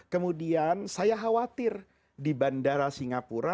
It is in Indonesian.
kemudian saya khawatir di bandara singapura